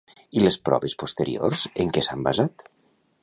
I les proves posteriors en què s'han basat?